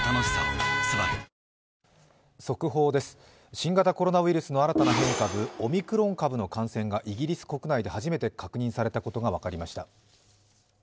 新型コロナウイルスの新たな変異株オミクロン株の感染がイギリス国内で初めて確認されたことが分かりました。